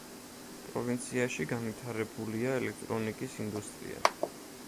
პროვინციაში განვითარებულია ელექტრონიკის ინდუსტრია.